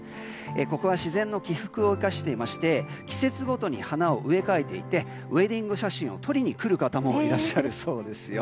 ここは自然の起伏を生かしていまして季節ごとに花を植え替えていてウェディング写真を撮りに来る方もいらっしゃるそうです。